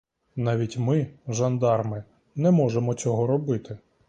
Навіть ми, жандарми, не можемо цього робити.